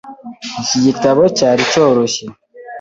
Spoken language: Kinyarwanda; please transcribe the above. Iki gitabo cyari cyoroshye .